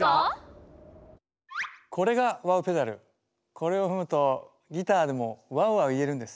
これを踏むとギターでも「ワウワウ」言えるんです。